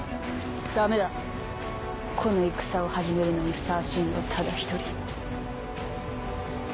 この戦を始めるのにふさわしいのはただ一人。